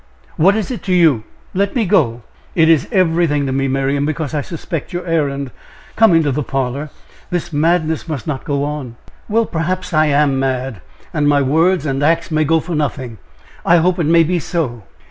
"What is it to you? Let me go." "It is everything to me, Miriam, because I suspect your errand. Come into the parlor. This madness must not go on." "Well, perhaps I am mad, and my words and acts may go for nothing. I hope it may be so."